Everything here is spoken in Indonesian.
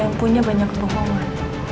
yang punya banyak kebohongan